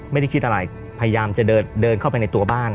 ไม่ได้คิดอะไรพยายามจะเดินเข้าไปในตัวบ้าน